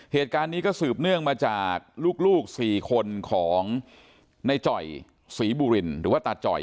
เหตุการณ์นี้ก็สืบเนื่องมาจากลูก๔คนของในจ่อยศรีบุรินหรือว่าตาจ่อย